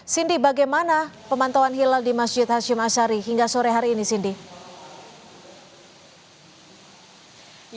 cindy bagaimana pemantauan hilal di masjid hashim ashari hingga sore hari ini cindy